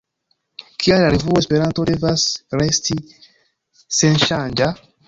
Kial la revuo Esperanto devas resti senŝanĝa?